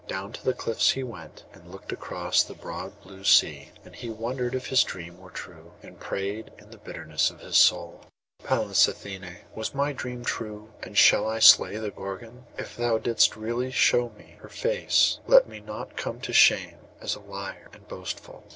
Down to the cliffs he went, and looked across the broad blue sea; and he wondered if his dream were true, and prayed in the bitterness of his soul. 'Pallas Athené, was my dream true? and shall I slay the Gorgon? If thou didst really show me her face, let me not come to shame as a liar and boastful.